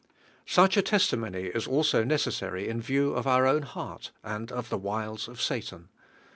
Such a testimony is also necessary in view of our own heart and of the wiles of Satan.